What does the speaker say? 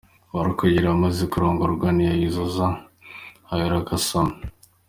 Barakagwira amaze kurongorwa ntiyazuyaza, aherako asama.